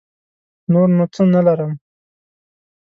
نور نو څه نه لرم.